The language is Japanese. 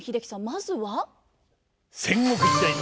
まずは。